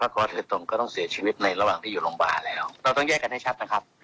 แล้วก็โดยตรงก็ต้องเสียชีวิตในระหว่างที่อยู่โรงพยาบาลแล้วเราต้องแยกกันให้ชัดนะครับ